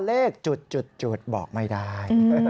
เลขบอกไม่ได้